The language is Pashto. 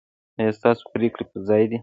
ایا ستاسو پریکړې پر ځای دي؟